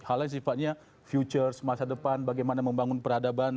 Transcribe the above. hal yang sifatnya futures masa depan bagaimana membangun peradaban